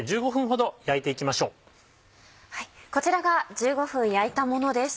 こちらが１５分焼いたものです。